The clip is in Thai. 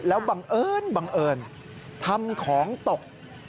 แล้วบังเอิญทำของตก